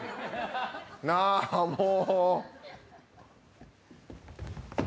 なあ、もう。